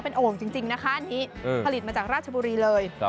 โอ่งจริงนะคะอันนี้ผลิตมาจากราชบุรีเลย